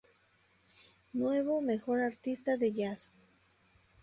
Nuevo Mejor Artista de Jazz.